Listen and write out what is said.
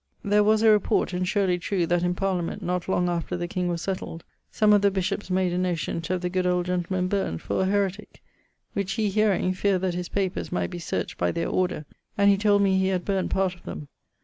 There was a report[CXIII.] (and surely true) that in parliament, not long after the king was setled, some of the bishops made a motion to have the good old gentleman burn't for a heretique. Which he hearing, feared that his papers might be search't by their order, and he told me he had burn't part of them.